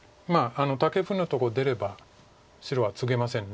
タケフのとこ出れば白はツゲません。